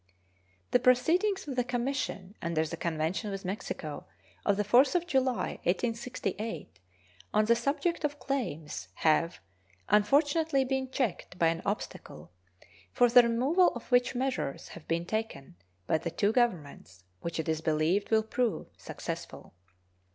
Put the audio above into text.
The proceedings of the commission under the convention with Mexico of the 4th of July, 1868, on the subject of claims, have, unfortunately, been checked by an obstacle, for the removal of which measures have been taken by the two Governments which it is believed will prove successful.